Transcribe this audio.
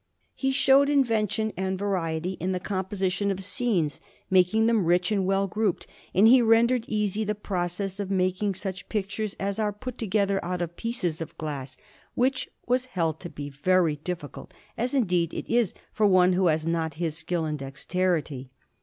He showed invention and variety in the composition of scenes, making them rich and well grouped; and he rendered easy the process of making such pictures as are put together out of pieces of glass, which was held to be very difficult, as indeed it is for one who has not his skill and dexterity.